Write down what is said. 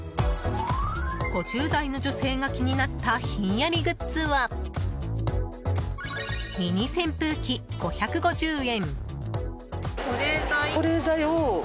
５０代の女性が気になったひんやりグッズはミニ扇風機、５５０円。